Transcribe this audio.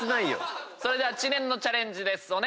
それでは知念のチャレンジです。